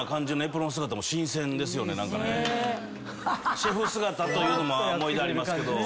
シェフ姿というのも思い出ありますけど。